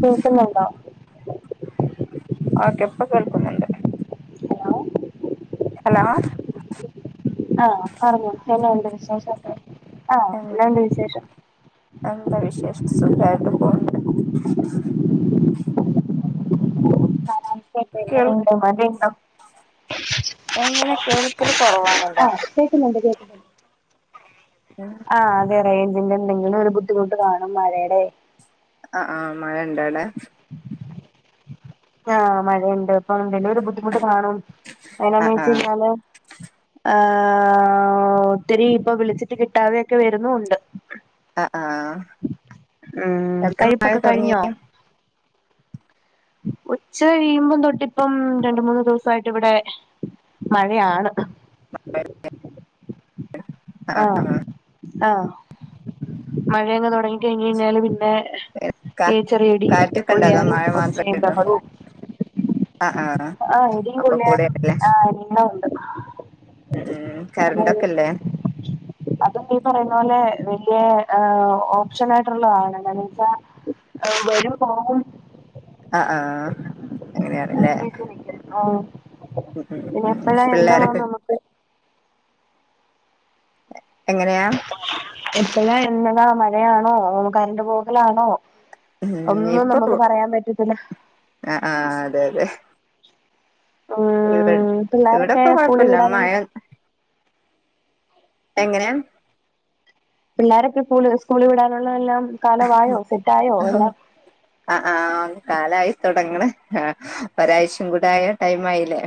കേൾക്കുന്നുണ്ടോ? ഓക്കെ ഇപ്പ കേൾക്കുന്നുണ്ട് ഹലോ ഹലോ ആഹ് പറഞ്ഞോ എന്നാണ്ട് വിശേഷോക്കെ ആഹ് ഉം എന്നാണ്ട് വിശേഷം എന്താ വിശേഷം സുഖായ്ട്ട് പോണ്‌ണ്ട് [unintelligible] കേൾ ണ്ട് മതീന്നാ എങ്ങെനെ കേൾക്കെല് കൊറവാണല്ലോ [unintelligible] ഏഹ് ആഹ് അതെ റെയ്ഞ്ചിന്റെ എന്തെങ്കിലൊരു ബുദ്ധിമുട്ട് കാണും മഴേടെ അഹ് ആഹ് മഴണ്ടോ അവ്ടേ ആഹ് മഴ ഇണ്ട് ആഹ് എന്തേലും ഒര് ബുദ്ധിമുട്ട് കാണും ആ ആ അയ്‌നെന്നേച്ചയ്ഞ്ഞാല് ആഹ് ഒത്തിരി ഇപ്പൊ വിളിച്ചിട്ട് കിട്ടാതെയൊക്കെ വെരുന്നു ഉണ്ട് അഹ് ആഹ് ഊം കഴിപ്പൊക്കെ കഴിഞ്ഞോ ഉച്ച കഴിയുമ്പം തൊട്ടിപ്പം രണ്ട് മൂന്ന് ദിവ്സായിട്ട് ഇവിടെ മഴയാണ് ആ ആഹ് ആ ആഹ് മഴയങ്ങ് തൊടങ്ങി കഴിഞ്ഞയ്ഞ്ഞാല് പിന്നേ കാ ഈ ചെറിയ ഇടീം കാറ്റൊക്കെ ഇണ്ടോ അതോ കൊള്ളിയാനും മഴ ഒച്ചേം മാത്രേള്ളൂ ബെഹളോം ആ ആ ആഹ് ഇടീം ഒക്കെ കൊള്ള്യാനും കൂടെയാണല്ലേ ആഹ് എല്ലാവുണ്ട് ഉം ഊം കര്ന്റൊക്കെല്ലേ അത്പ്പ ഈ പറയുന്ന പോലെ വെല്യെ ഏഹ് ഓപ്ഷനായിട്ടുള്ളതാണ് എന്താന്ന് വെച്ചാ ഏഹ് വരൂ പോവും അഹ് ആഹ് അങ്ങെനേണ് ല്ലേ അങ്ങനെയൊക്കെ നിക്കും ആഹ് ഉം പിന്നെ ഉം ഉം എപ്പഴാ എന്താവാ പിള്ളേരൊക്കെ നമുക്ക് എ എങ്ങെനെയാം എപ്പഴാ എന്നതാ മഴയാണോ അതോ കരന്റ് പോകലാണോ ഉം ഒന്നും നമുക്ക് പറയാം പറ്റത്തില്ല അഹ് ആഹ് അതെ അതെ ഇവ്ടെ ഉം പിള്ളോരൊക്കെ ഇവ്ടെപ്പ സ്കൂളിൽ കാെഴപ്പല്ല വിടാനുള്ള മയ എങ്ങെനെയാം പിള്ളാരൊക്കെ സ്കൂള് സ്കൂളി വിടാന്ള്ളെതെല്ലാം ഓഹ് അഹ് ആഹ് കാലായ് താെടങ്ങ്ണ് ഒരായ്ച്ചിം കൂട്യായാ ടൈമായ്ലേ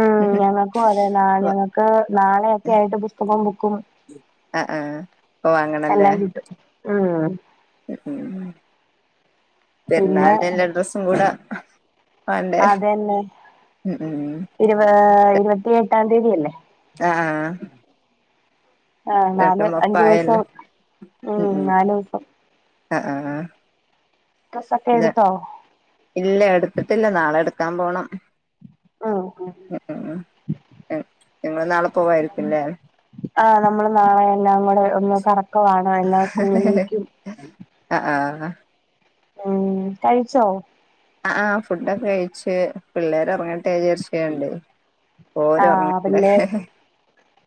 ഉം ഞങ്ങക്കും അതെ നാ ഓ, ഞങ്ങക്ക് നാളെയൊക്കെ ആയിട്ട് പുസ്തകോം ബുക്കും അഹ് ആഹ് എല്ലാം കിട്ടും ഉം ഉം പിന്നെ പെര്ന്നാൾന്റെ എല്ലാ ഡ്രസ്സും കൂട അതെന്നെ ഉം ഇര്പാ ഇര്പത്തി എട്ടാം തീയതിയല്ലേ ആഹ് ആഹ് നാല് അഞ്ചുവ്സം ഒപ്പായല്ലോ ഉം നാലൂസം അഹ് ആഹ് ഡ്രസ്സൊക്കെ എടുത്തോ ഇല്ല എടുത്തിട്ടില്ല നാളെ എടുക്കാം പോണം ഉം ഉം ഉം ഇങ്ങൾ നാളെ പോവായിരിക്കുംല്ലേ ആഹ് നമ്മള് നാളെ എല്ലാം കൂടെ ഒന്ന് കറക്കവാണ് എല്ലാ സ്കൂളിലേക്കും അആഹ് ഉം കഴിച്ചോ അ ആഹ് ഫുഡ്ടൊക്കെ കഴിച്ച്, പിള്ളേരൊർങ്ങട്ടെ ജാര്ച്ച്കാൻണ്ട് ഓരൊർങ്ങണ്ടെ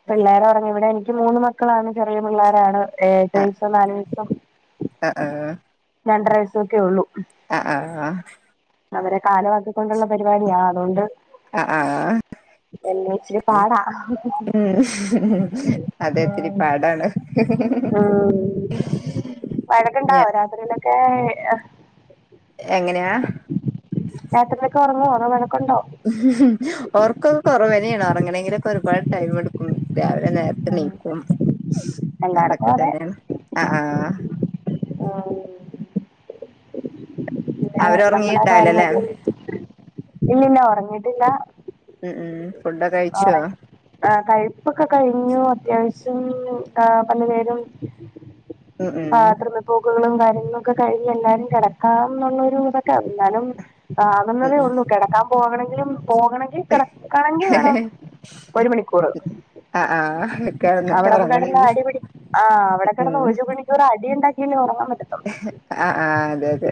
പിള്ളേരൊറങ്ങി വിടെ എനിക്ക് മൂന്ന് മക്കളാണ്, ചെറിയ പിള്ളേരാണ് എട്ടു വയസും നാല് വയസും അആഹ് രണ്ടര വയസൊക്കെ ഒള്ളൂ അ ആഹ് അവരെ കാലമാക്കിക്കൊണ്ടുള്ള പരിപാടിയാ അതുകൊണ്ട് അ ആഹ് എല്ലാം ഇച്ചിരി പാടാ അതെ ഇത്തിരി ഉം പാടാണ് [inaudible] വഴക്കുണ്ടാവോ ഞാൻ രാത്രിയിലൊക്കെ അസ് എങ്ങനെയാ രാത്രീലൊക്കെ ഉറങ്ങേഅതോ വഴക്കുണ്ടോ ഒർക്കൊക്കെ കൊറവന്നെണ്. ഒർങ്ങണെങ്കിലൊക്കെ ഒരുപാട് ടൈംമ്ട്ക്കും രാവിലെ നേരത്തെ നീക്കും എല്ലായിടത്തും അതൊക്കെ തന്നേണ് അ ആഹ് ആഹ് പിന്നെ അവര് നമ്മള ആ ഒറങ്ങിണ്ടാവിലല്ലേ കാര്യങ്ങളൊക്കെ ഇല്ലല്ല ഒറങ്ങിട്ടില്ല ഉം ഉം ഫുഡൊക്കെ കഴിച്ചോ ആ കഴിപ്പൊക്കെ കഴിഞ്ഞു അത്യാവശ്യം ആ പല്ലു തേരും ഉം ഉം ബാത്റൂമിപോക്കുകളും കാര്യങ്ങളൊക്കെ കഴിഞ്ഞ് എല്ലാരും കെടക്കാംന്നുള്ളൊരു നും തൊക്കെ ന്നാലും ഉം ആവുന്നതേ ഉം ഒള്ളു, കെടക്കാൻ പോകണങ്കിലും പോകണെ ങ്ങി കെടക്കണെങ്കി വേണം ഒരു മണിക്കൂറ് ആ ആ കെടന്നിട്ട് അവിടെപ് കെടന്ന് ഒറങ്ങണെങ്കി അടിപിടി ആഹ് അവിടെ കെടന്ന് ഉം ഒഴുപണി ക്കൊരടി ഉണ്ടാക്കിയെങ്കിൽ ഉറങ്ങാൻ പറ്റത്തൊള്ളു ആ ആഹ് അതെ അതെ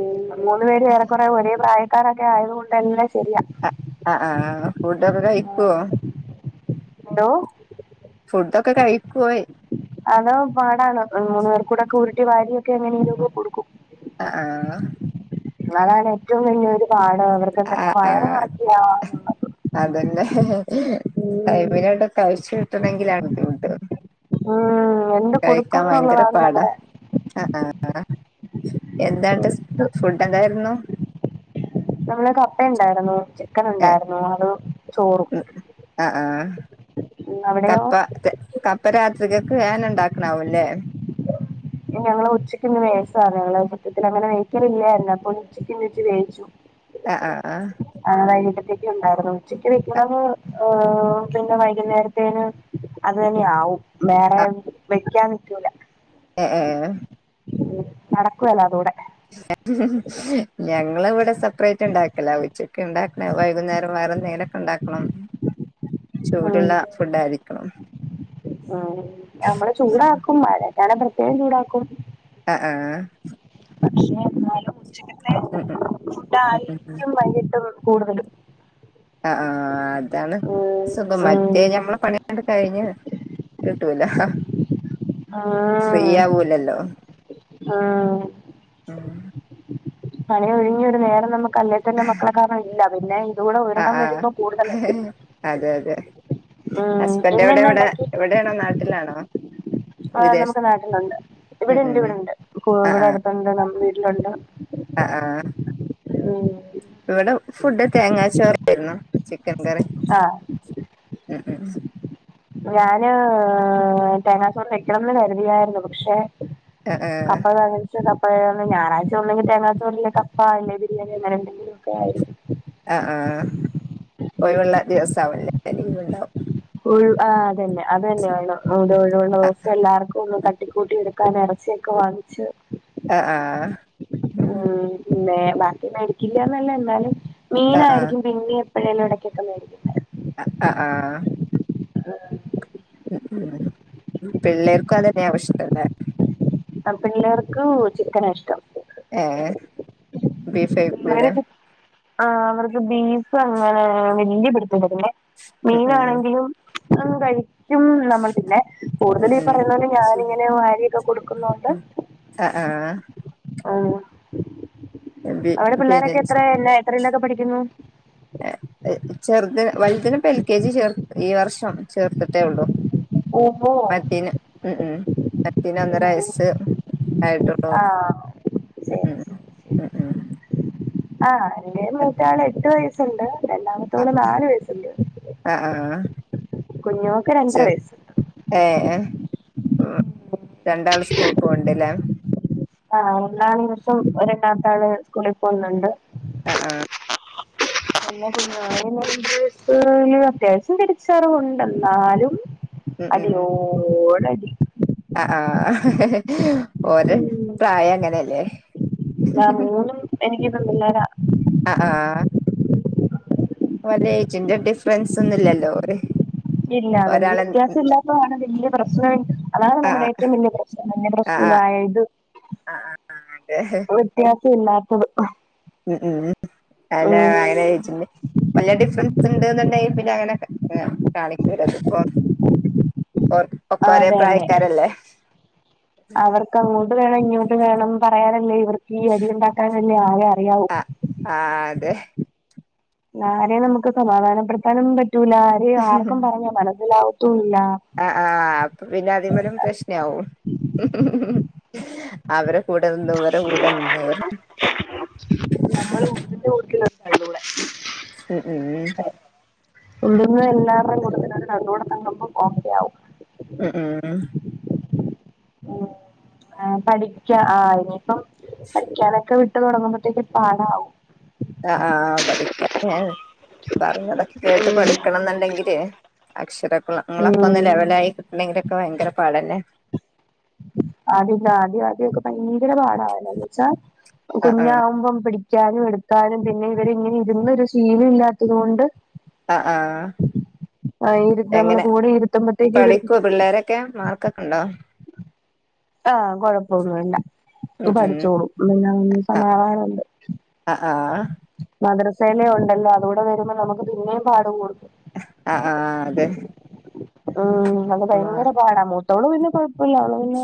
ഉം മൂന്ന്പേരും ഏറെകുറെ ഒരേ പ്രായക്കാരൊക്കെ ആയത് കൊണ്ടെല്ലാം ശരിയാ ആ ആ ആഹ് ഫുഡൊക്കെ കഴിക്കോ ന്തോ? ഫുഡൊക്കെ കഴിക്ക്വയ് അതോ പാടാണ്, മൂന്ന് പേർ കൂടെക്കെ ഉരുട്ടി വാരിയൊക്കെ എങ്ങനെങ്കിലൊക്കെ കൊടുക്കും അ ആഹ് വളാണേറ്റവും വലിയൊരു പാട്, അവർക്കെങ്ങനെ ആ ആ വയറുനെറക്യാ ന്നുള്ളത് അതന്നെ, ഉം. ടൈമിലണ്ട് കയ്ച്ചു കിട്ടണങ്കിലാണ് ബുദ്ധിമുട്ട് ഉം, എന്ത് കൊടുക്കും കഴിക്കാൻ ഭയങ്കര എന്നുള്ളതാണ് പാടാ നമ്മുടെ അ ആഹ് എന്താണ്ട് ഫുഡ്ടെന്തായിരുന്നു നമ്മള് കപ്പയുണ്ടായിരുന്നു ഏ ചിക്കനുണ്ടായിരുന്നു അത് ചോറും അ ആഹ് ഉം, അവിടെയോ കപ്പ. തെ കപ്പ രാത്രിക്കക്ക് ആന്നെണ്ടാക്ക്ണാവൂല്ലേ ഞങ്ങള് ഉച്ചക്കിന്ന് വെവിച്ചതാണ്, ഞങ്ങള് സത്യത്തിലങ്ങനെ വേവിക്കലില്ല, എന്നപ്പഴും ഉച്ചക്ക്ന്ന് ഇച്ചി വേവിച്ചു ചും ആഹ് ആഹ് ആഹ് ആഹ് വൈകിട്ടത്തേക്ക ഉണ്ടായിരുന്നു ഉച്ചക്ക് വെക്കണുന്നത് ഏഹ് പിന്നെ വൈകുന്നേരത്തേന് അത് തന്നെയാവും വേറെ വെക്കാൻ നികൂല ആഹ് ആഹ് ആഹ് ഉം നടക്കുവല്ലോ അതൂടെ ഞങ്ങള് ഇവിടെ സെപ്പറേറ്റ് ണ്ടാക്കല ഉച്ചക്ക് ഉണ്ടാക്കും വൈകുന്നേരം വേറന്തെങ്കിലും ഉണ്ടാക്കണം ഉ ചൂടുള്ള ഫുഡ്‌ ആയിരിക്കണം ഉം നമ്മള് ചൂടാക്കും മഴറ്റണെ പ്രത്യേകം ചൂടാക്കും ആഹ് ആഹ് ആഹ് പക്ഷെ എന്നാലും ഉച്ചക്കത്തെ ഉം ഉം ഉം ഉം ഉം. ഫുഡായിരിക്കും വൈകിട്ട് കൂടുതലും ആഹ് ആഹ് അതാണ് ഉം സുഖം ഉം മറ്റേ ഞമ്മളെ പണി അണ്ട് കഴിഞ്ഞ് ത് കിടൂല ആഹ് ആവൂലല്ലോ ആഹ് ഉം പണിഒഴിഞ്ഞൊരു നേരം നമ്മക്ക ല്ലേ തന്നെ മക്കളെ കാരണം ഇല്ല പിന്നെ ഇത് കൂടെ ഒരണം ആഹ് വരുമ്പോ കൂടുതലല്ലേ ആഹ് അതെ അതെ ഉം ഇന്നെന്ന ഉണ്ടാക്കി ഇവിടെണോ നാട്ടിലാണോ ആഹ് വിദേശ നമ്മക്ക് നാട്ടിലുണ്ട് ഉം ഉം ഇവിടെണ്ട് ഇവിടെണ്ട് കു ആഹ് ഇവിടെ അടുത്തുണ്ട് നമ്മളെ വീട്ടിലുണ്ട് ആഹ് ആഹ് ഉം ഇവടെ ഫുഡ് തേങ്ങാച്ചോറായിരുന്നു ചിക്കൻ കറി ആ ഉം ഉം ഞാന് തേങ്ങാച്ചോർ വെക്കണംന്ന് കരുതിയായിരുന്നു പക്ഷെ ആഹ് ആഹ് അപ്പഴാണ് അപ്പഴാണ് ഞായറാഴ്ച്ച ണ്ടെങ്കിൽ തേങ്ങ ചോർ ല്ലേ കപ്പ അല്ലേ ബിരിയാണി അങ്ങെനെ എന്തെങ്കിലും ഒക്കെ ആയിരിക്കും ആഹ് ആഹ് ഒഴിവുള്ള ദിവസ ആവുല്ലേ അപ്പൊ ലീവ്ണ്ടാവും ഒഴിവ് ആഹ് അതന്നെ അത് തന്നെണ് ഇത് ഒഴിവുളോസം എല്ലാർക്കും ഒന്ന്തട്ടിക്കൂട്ടി എടു എടുക്കൻ ഇറച്ചി ഒക്കെ വാങ്ങിച്ച് ആഹ് ആഹ് ഉം പിന്നെ ബാക്കി മേടിക്കില്ലന്നല്ല എന്നാലും ആഹ് മീനായിരിക്കും ആഹ് പിന്നിം എപ്പഴേലും ഇടക്കൊക്കെ മേടിക്കും ആഹ് ആഹ് ആഹ് ആഹ് ഉം ഉം പിള്ളേർക്കും അതന്നെ ആവും ഇഷ്‌ടം ല്ലേ ആഹ് പിള്ളേർക്ക് ചിക്കനാ ഇഷ്ടം ഏഹ് ബീഫൈക്കൂലെ പിള്ളേര് ആഹ് അവർക്ക് ബീഫ് അങ്ങനെ വല്യ പിടിത്തല്ല പിന്നെ ഉം ഉം മീനാണെങ്കിലും അവന്ക്കയി പറ്റും നമ്മൾ പിന്നെ ഉം കൂടുതൽ ഈ ഉം പറയുന്നത്ണ്ട് ഞാാനിങ്ങനെ വാരിയൊക്കെ കൊടുക്കുന്നോണ്ട് ആഹ് ആഹ് ബി അവിടെ പിള്ളോരൊക്കെ പിന്നെ എത്രല്ല എത്രല്ലൊക്കെ പഠിക്കുന്നു ചെറ്ത് വലുതിനെ ഇപ്പം എൽ കെ ജി ചേർ ഈ വർഷം ചേർത്ത്ട്ടേ ഒള്ളൂ ഓഹ് ഓഹ് മറ്റീന് ഉം ഉം മറ്റീന് ഒന്നര വയസ്സ്. ആയിട്ടൊള്ളൂ ആഹ് ഉം ശരി ഉം ശരി ശരി ഉം ഉം ആഹ് എൻ്റെ മൂത്തയാള് എട്ട് വയസ്സൊണ്ട് രണ്ടാമത്തോള് നാലു വയസ്സുണ്ട്. അ ആ കുഞ്ഞുമോക്ക് രണ്ടരവയസ്സ്. ഏഹ് ഉം രണ്ടാള് സ്കൂൾ പോവണ്ടല്ലേ ആ എല്ലാ ദിവസവും ഓര് രണ്ടാമത്താള് സ്കൂളിൽ പോകുന്നുണ്ട്. ആ ആ [inaudible] എന്നാ പിന്നെ [unintelligible] അത്യാവശ്യം തിരിച്ചറിവൊണ്ട് എന്നാലും. അടിയോടടി ആ ആ ഓര് ഉം പ്രായം അങ്ങനെയല്ലേ എനിക്കിതൊണ്ടല്ലോടാ അ ആ വല്യ ഏയ്ജിന്റെ ഡിഫറൻസൊന്നും ഇല്ലല്ലോ ഓല്. ഇല്ല വെല്ല്യ വ്യത്യാസം ഇല്ലാത്തതാണ് വലൃ പ്രശ്നം അതാണ് നമ്മുടെ ആഹ് ഏറ്റവും വലൃ പ്ര‌ [unintelligible] ആ ആ അതെ വ്യത്യാസം ഇല്ലാത്തത് ഉം ഉം അല്ല അങ്ങനെ ഉം ചോയിച്ചിണ്ട്. വല്ല്യ ഡിഫറൻസ് ഉണ്ട് എന്നുണ്ടെങ്കി പിന്നെ അങ്ങനെ കാ കാണിക്കൂല ഇതിപ്പൊ [inaudible] ആ അതന്നെ പ്രായക്കാരല്ലേ അവർക്ക് അങ്ങോട്ടുവേണം ഇങ്ങോട്ടുവേണം പറയാനല്ലെ ഇവർക്ക് ഈ അടിയൊണ്ടാക്കാൻ. അന്നെ ആര് അറിയാവും. ആ ആ അതെ ആരേയും നമുക്ക് സമാധാനപ്പെടുത്താനും പറ്റൂല ആരേയും ആർക്കും പറഞ്ഞ മനസ്സിലാകത്തുല്ലാ. ആ ആ അപ്പം പിന്നെ അതിമ്മലും പ്രശ്നാവും അവരെ കൂടെ നിന്ന് ഇവരെ കൂടെ നിന്ന് [unintelligible] ഉം ഊം ഉള്ളുന്ന് എല്ലാവരുടേയും കൊടുത്തിടാറൊണ്ട് അതുടെ കണ്ണൂമ്പോ കോമഡിയാവും. അ ആ ആ ആ പഠിക്കാ ആ ഇനിയിപ്പം പഠിക്കാനൊക്കെ വിട്ട് ട്ടു തൊടങ്ങുമ്പത്തേക്കും പാടാവും. ആ ആ ആം പഠിക്കാം മൃവ് പറഞ്ഞതൊക്കെ കേട്ടു പഠിക്കണന്നൊണ്ടെങ്കിലേ ഉം അക്ഷരക്കുളങ്ങളൊക്കൊന്ന് ലെവലായി കിട്ടണെങ്കിലൊക്കെ ഭയങ്കര പാടല്ലേ അത് ആദ്യം ആദ്യവെക്കെ ഭയങ്കര പാടാ എന്താന്ന് വെച്ചാ ആ ആ കുഞ്ഞാവുമ്പം പിടി ക്കാനും എടുക്കാനും പിന്നെ ഇവരിങ്ങനെ ഇരുന്നൊരു ശീലം ഇല്ലാത്തതുകൊണ്ട് ആ ആ ആ ഇരുത്താനൊള്ള കൂടെ ഇരുത്തുമ്പത്തേക്കങ്ങട്. ക്കൃം മാർക്കൊക്കെ ഒണ്ടോ ആ കൊഴപ്പൊന്നൂല്ലാ ഉം ഉം പഠിച്ചോളും പിന്നന്ന് അ സമാധാനവൊണ്ട്. അ ആ മദ്രസയിലെ ഉണ്ടല്ലോ അതുകൂടെ വരുമ്പോ നമുക്കു പിന്നേം പാട്കൂടും. ആ ആ ആ അതെ ഊം അത് അ ഭയങ്കര പാടാ മൂത്തോള് പിന്നെ കൊഴപ്പയില്ലവള് പിന്നെ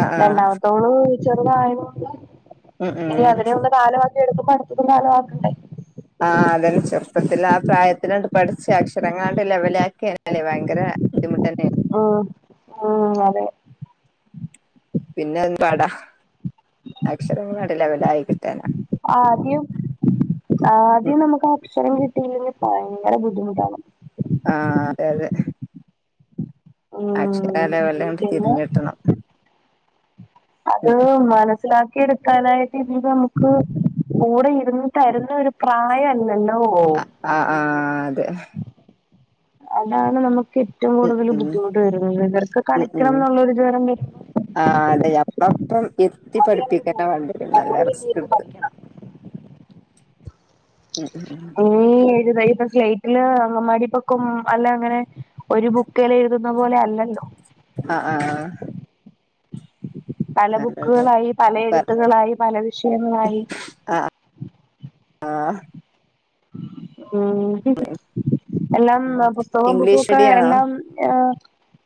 ആ ആ രണ്ടാമത്തോള് ചെറുതായത്കൊണ്ട് ഉം ഇനി ഉം അതിനെ ഒന്ന് കാലവാക്കി എടുക്കുമ്പോ അടുത്തതും കാലവാക്കണ്ടേ ആഹ് അതന്നെ ചെറുപ്പത്തിലാ പ്രായത്തിലാണ്ട് പഠിച്ചു അക്ഷരങ്ങളാണ്ട് ലെവലാക്കിയാ അല്ലെ ഭയങ്കരാ ബുന്ധിമുട്ടന്നെണ് ആഹ്ആഹ് അതെ പിന്നൊന്നു പാട അക്ഷരങ്ങളാണ്ട് ലെവലായി കിട്ടാനാ ആദ്യം ഉം ആദ്യം നമുക്ക് അക്ഷരം കിട്ടിയില്ലെങ്കിൽ ഭയങ്കര ബുദ്ധിമുട്ടാണ് ആഹ് അതെ അതെ അക്ഷരാ ഉം ലെവല്ലാണ്ട് പിന്നെ തിരിഞ്ഞ്ട്ടണം അത് മനസ്സിലാ ക്കി എടുക്കാനായിട്ട് ഇതിത് നമുക്ക് കൂടെ ഇരുന്ന് തരുന്ന ഒരു പ്രായല്ലല്ലോ ഒവ്വോഹ് അഹ് ആഹ് അതെ അതാണ് നമുക്ക് ഏറ്റവും ഉം കൂടുതൽ ഉം ബുദ്ധിമുട്ട് വരുന്നത് ഇവർക്ക് കളിക്കണംന്നുള്ളൊരു വിചാരം വെര്മ്പോ ആഹ് അതെ അപ്പപ്രം ഇത് കുത്തി അവരങ്ങ് പഠിപ്പിക്കന്നെ പോകും വാണ്ടെരും നല്ല നമ്മള് പിന്നെ ഇരുന്ന് റിസ്ക്കിട്ത്ത് പഠിക്കണം ഉം ഉം ഊ അങ്ങനേ എഴുത യിപ്പം സ്ലൈറ്റില് അങ്കമ്പാടി പോക്കും അല്ല അങ്ങനെ ഒരു ബുക്കിലെഴുതുന്ന പോലെ അല്ലല്ലോ അഹ് ആഹ് ആഹ് പല അതെ അതെ ബുക്കുകളായി പല പ- എഴുത്തുകളായി പല വിഷയങ്ങളായി ആ ഊം എല്ലാം പുസ്തകവും ബുക്കും ഇംഗ്ലീഷ് ഒക്കെ മീഡിയാണോ എല്ലാം ആഹ്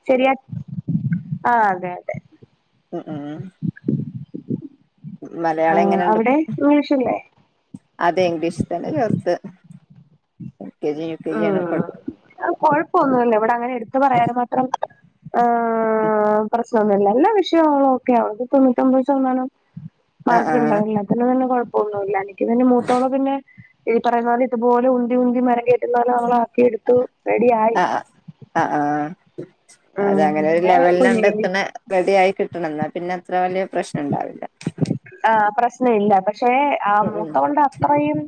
ശെരിയാ ആഹ് അതെ അതെ ഉ ഉ ഊ ആ മലയാളെങ്ങനെണ്ട് അവിടെ ഇംഗ്ലീഷല്ലേ അതെ ഇംഗ്ലീഷ് തന്നെ ചേർത്ത് L K G U K G ആണ് ഇപ്പ ഊം അഹ് കൊഴപ്പോന്നൂല്ല ഇവിടെ അങ്ങനെ എടുത്തു പറയാനും മാത്രം ആഹ് പ്രശ് നൊന്നുംല്ല എല്ലാ വിഷയങ്ങളും ഓക്കെയാവള് ഇപ്പൊ തൊണ്ണൂറ്റൊമ്പത് ശതമാനം ആഹ് മാർക്ക്ണ്ടായിനി അവനിതന്നെ കൊഴപ്പോന്നൂല്ല എനിക്ക്ന്നെന്നെ മൂത്തോളെപിന്നെ ഈ പറയുന്നതുപോലെ ഇത്പോലെ ഉന്തി ഉന്തി മരങ്കേ എന്നാലവളാക്കി എടുത്തു റെഡിയായ് അഹ് അഹ്ആഹ് ഉം അതങ്ങനൊരു പിന്നെ കുഞ്ഞിന് ലെവല്ലാണ്ടെത്തിണെ റെഡിയായി കിട്ടണം ന്നാപിന്നെ അത്ര വല്യ പ്രശ്നണ്ടാവില്ല ആഹ് പ്രശ്ന ഇല്ല പക്ഷെ ആഹ് ഉം ഉം മൂത്തവൾടെ അ അത്രയും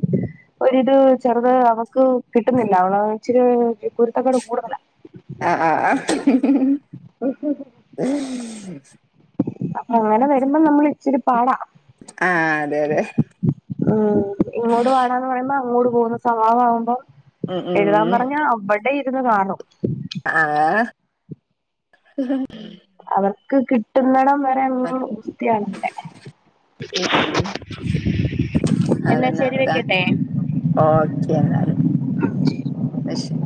ഒരിത് ചെറുത് അവക്ക് കിട്ടുന്നില്ല അവള് ച്ചിരി കുരുത്തക്കേട് കൂടുതല ആഹ് ആഹ് അഹ് [unintelligible] [unintelligible] അപ്പൊ അങ്ങനെ വരുമ്പം നമ്മളിച്ചിരി പാടാ ആഹ് അതെ അതെ ഉം ഇങ്ങോട് വാടാന്ന് പറയുമ്പോ അങ്ങോട് പോകുന്ന സഭാവാവുമ്പോ ഉം എഴുതാൻ ഉം പറഞ്ഞാ അവടെ ഇരുന്ന് കാണും ആഹ് അവർക്ക് കിട്ടുന്നടം വരെ എന്നും ഗുസ്തിയാണിവടെ ഉം ഉം എന്നാ അതന്നെ ശരി അവര വെക്കട്ടെ. ഓക്കെ എന്നാല് ന്നാ ശരി